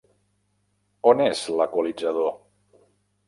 On és l'equalitzador?